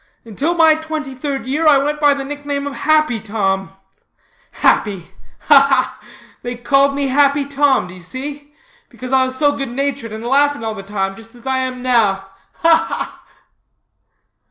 Until my twenty third year I went by the nickname of Happy Tom happy ha, ha! They called me Happy Tom, d'ye see? because I was so good natured and laughing all the time, just as I am now ha, ha!"